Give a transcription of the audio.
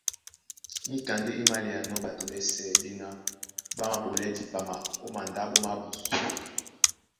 Níka ndé é máléanɔ́ ɓato ɓɛ́sɛ̄ ɓéná ɓá māɓolɛɛ́ dipama ó mandáɓo mábū;